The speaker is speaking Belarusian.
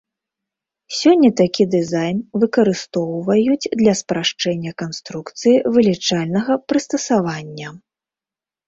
Сёння такі дызайн выкарыстоўваюць для спрашчэння канструкцыі вылічальнага прыстасавання.